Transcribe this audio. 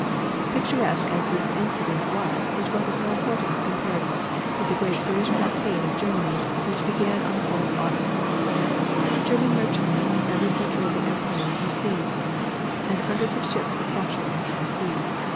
Picturesque as this incident was it was of no importance as compared with the great British blockade of Germany which began on the 4th of August. German merchantmen in every country of the empire were seized, and hundreds of ships were captured on the high seas.